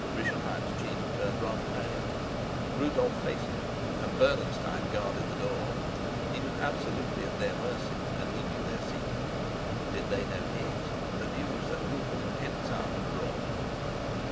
Rischenheim's cheek turned rather pale. Rudolf faced him, and Bernenstein guarded the door. He was absolutely at their mercy; and he knew their secret. Did they know his the news that Rupert of Hentzau had brought?